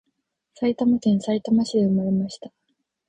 埼玉県さいたま市で産まれました